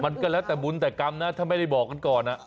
มันก็แล้วแต่บุญแต่กรรมนะถ้าไม่ได้บอกกันก่อน